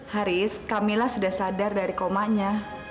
haris kamila sudah sadar dari komanya